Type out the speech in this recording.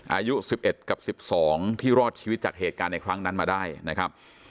อายุ๑๑กับ๑๒ที่รอดชีวิตจากเหตุการณ์ในครั้งนั้นมาได้นะครับ